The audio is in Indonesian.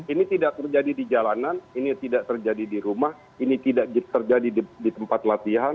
ini tidak terjadi di jalanan ini tidak terjadi di rumah ini tidak terjadi di tempat latihan